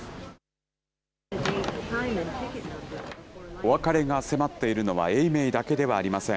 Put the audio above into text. お別れが迫っているのは、永明だけではありません。